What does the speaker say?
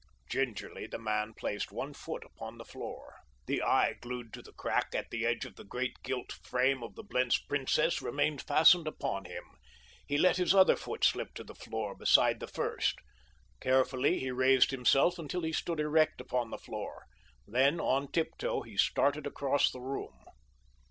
Gingerly the man placed one foot upon the floor. The eye glued to the crack at the edge of the great, gilt frame of the Blentz princess remained fastened upon him. He let his other foot slip to the floor beside the first. Carefully he raised himself until he stood erect upon the floor. Then, on tiptoe he started across the room.